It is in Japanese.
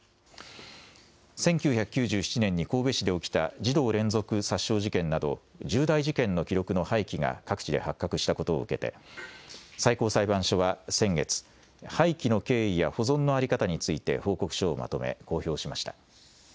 １９９７年に神戸市で起きた児童連続殺傷事件など、重大事件の記録の廃棄が各地で発覚したことを受けて、最高裁判所は先月、廃棄の経緯や保存の在り方について報告書をまとめ、公表しました。